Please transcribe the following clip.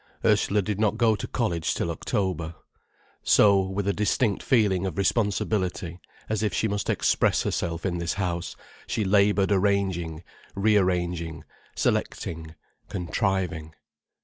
Ursula did not go to college till October. So, with a distinct feeling of responsibility, as if she must express herself in this house, she laboured arranging, re arranging, selecting, contriving.